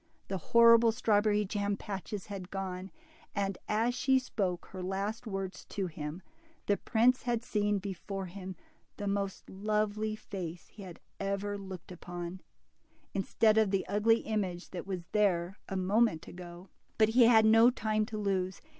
The horrible strawberry jam patches had gone, and as she spoke her last words to him, the prince had seen before him the most lovely face he had ever looked upon, instead of the ugly image that was there a moment ago. But he had no time to lose.